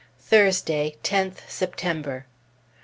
Thursday, 10th September.